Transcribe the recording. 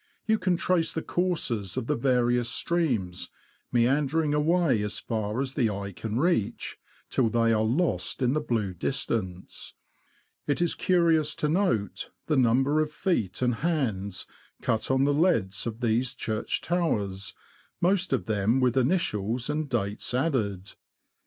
You can trace the courses of the various streams, meander ing away as far as the eye can reach, till they are lost in the blue distance. It is curious to note the number of feet and hands cut on the leads of these church towers, most of them with initials and dates added.